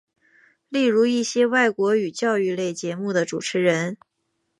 例如一些外国语教育类节目的主持人。